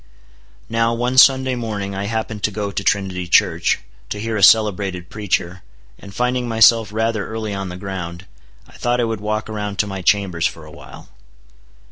Now, one Sunday morning I happened to go to Trinity Church, to hear a celebrated preacher, and finding myself rather early on the ground, I thought I would walk around to my chambers for a while.